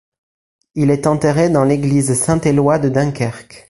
Il est enterré dans l'église Saint-Éloi de Dunkerque.